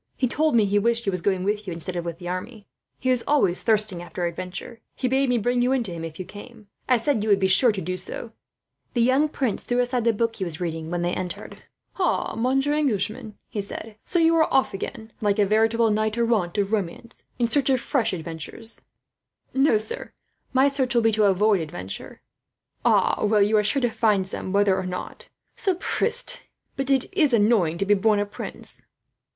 He told me he wished he was going with you, instead of with the army. He is always thirsting after adventure. He bade me bring you in to him, if you came. I said you would be sure to do so. It was useless my going out to look for you, as I could not tell what you might have to do before starting." The young prince threw aside the book he was reading, when they entered. "Ah, monsieur the Englishman," he said; "so you are off again, like a veritable knight errant of romance, in search of fresh adventure." "No, sir, my search will be to avoid adventure." "Ah, well, you are sure to find some, whether or not. Sapristie, but it is annoying to be born a prince."